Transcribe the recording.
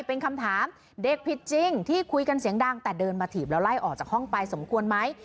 เป็นคำถามเด็กผิดจริงที่คุยกันเสียงดังแต่เดินมาถีบแล้วไล่ออกจากห้องไปสมควรไหม